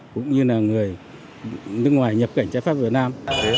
cũng như là người nước ngoài nhập cảnh trái phép việt nam